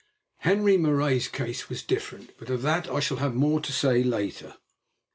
Henri Marais's case was different, but of that I shall have more to say later.